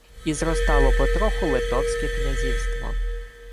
І зростало потроху Литовське князівство.